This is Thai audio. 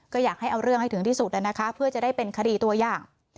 ก็อยากให้เอาเรื่องให้ถึงที่สุดนะคะเพื่อจะได้เป็นคดีตัวอย่าง